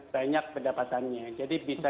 banyak pendapatannya jadi bisa